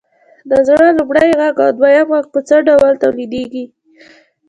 د زړه لومړی غږ او دویم غږ په څه ډول تولیدیږي؟